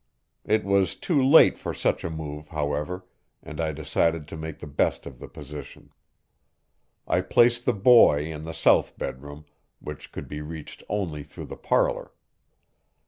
It was too late for such a move, however, and I decided to make the best of the position. I placed the boy in the south bedroom, which could be reached only through the parlor.